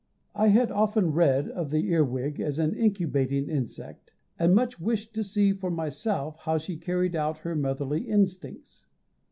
I had often read of the earwig as an incubating insect, and much wished to see for myself how she carried out her motherly instincts.